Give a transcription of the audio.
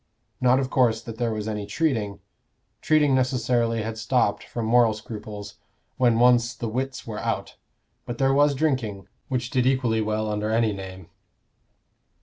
Not, of course, that there was any treating: treating necessarily had stopped, from moral scruples, when once "the writs were out;" but there was drinking, which did equally well under any name.